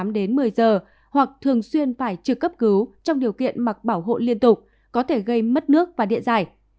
tám đến một mươi giờ hoặc thường xuyên phải trực cấp cứu trong điều kiện mặc bảo hộ liên tục có thể gây mất nước và điện dài